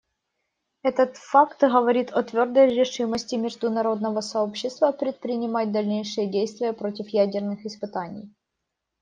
Этот факт говорит о твердой решимости международного сообщества предпринимать дальнейшие действия против ядерных испытаний.